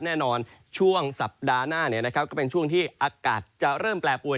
แน่นอนช่วงสัปดาห์หน้าก็เป็นช่วงที่อากาศจะเริ่มแปรปวน